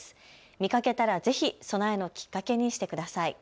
見かけたらぜひ備えのきっかけにしてください。